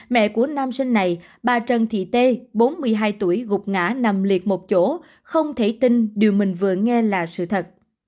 mẹ của nam sinh này bà trần thị tê bốn mươi hai tuổi gục ngã nằm liệt một chỗ không thể tin điều mình vừa nghe là sự thật